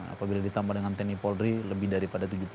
apabila ditambah dengan tni polri lebih daripada tujuh puluh